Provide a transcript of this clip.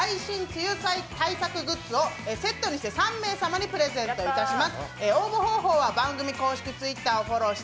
梅雨対策グッズをセットにして３名様にプレゼントいたします。